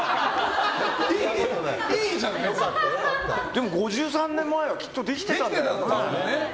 でも５３年前はきっとできていたんだろうね。